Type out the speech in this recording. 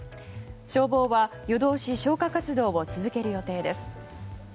消防は夜通し消火活動を続ける予定です。